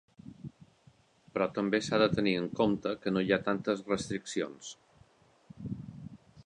Però també s’ha de tenir en compte que no hi ha tantes restriccions.